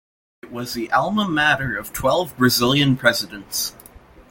It was the alma mater of twelve Brazilian presidents.